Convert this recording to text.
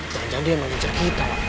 kan jadi yang mengejar kita la